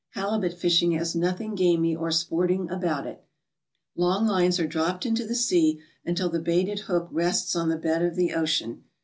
Halibut fishing has nothing gamy or sporting about it. Long lines are dropped down into the sea until the baited hook rests on the bed of the ocean.